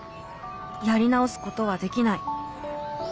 やり直すことはできない。